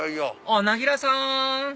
なぎらさん！